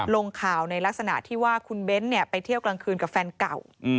ลงข่าวในลักษณะที่ว่าคุณเบ้นไปเที่ยวกลางคืนกับแฟนเก่า